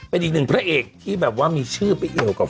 เป็นอีกหนึ่งพระเอกที่แบบว่ามีชื่อไปเอี่ยวกับ